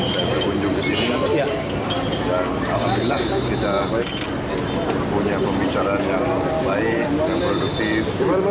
saya berkunjung ke sini dan alhamdulillah kita punya pembicaraan yang baik yang produktif